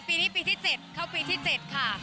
ปีนี้ปีที่๗เข้าปีที่๗ค่ะ